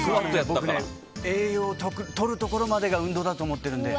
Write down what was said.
僕ね、栄養をとるところまでが運動だと思ってるので。